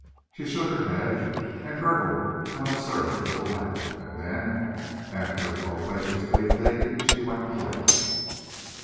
She shook her head, and gurgled an absurd little laugh, and then, after a loquacious leave taking, she went away.